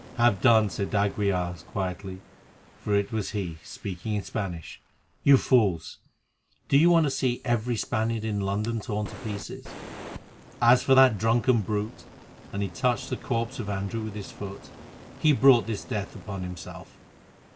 "Have done," said d'Aguilar quietly, for it was he, speaking in Spanish. "You fools! do you want to see every Spaniard in London torn to pieces? As for that drunken brute," and he touched the corpse of Andrew with his foot, "he brought his death upon himself.